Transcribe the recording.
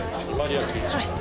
はい。